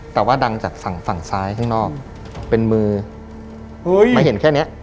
แต่ว่าดังจากฝั่งฝั่งซ้ายข้างนอกเป็นมือมาเห็นแค่เนี้ย